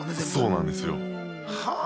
そうなんですよ。は！